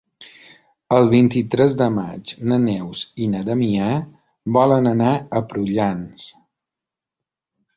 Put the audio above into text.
El vint-i-tres de maig na Neus i na Damià volen anar a Prullans.